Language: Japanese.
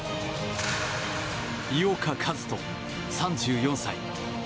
井岡一翔、３４歳。